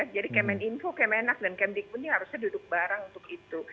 jadi kemeninfo kemenak dan kemdekbu ini harusnya duduk bareng untuk itu